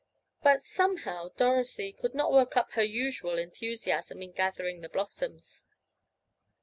But, somehow, Dorothy, could not work up her usual enthusiasm in gathering the blossoms.